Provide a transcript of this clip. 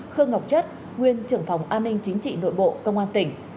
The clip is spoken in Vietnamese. khương ngọc chất nguyên trưởng phòng an ninh chính trị nội bộ công an tỉnh